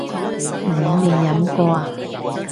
你未飲過呀？